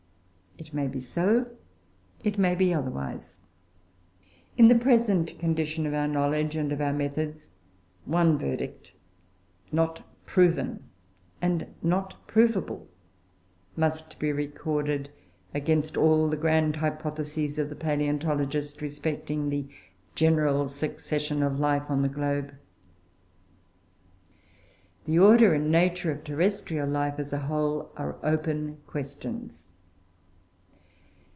It may be so; it may be otherwise. In the present condition of our knowledge and of our methods, one verdict "not proven, and not provable" must be recorded against all the grand hypotheses of the palaeontologist respecting the general succession of life on the globe. The order and nature of terrestrial life, as a whole, are open questions.